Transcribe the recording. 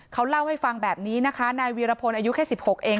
เขาเล่าให้ฟังแบบนี้นะคะนายวีรพลอายุแค่สิบหกเอง